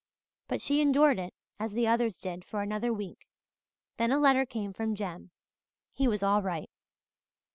But she endured it as the others did for another week. Then a letter came from Jem. He was all right.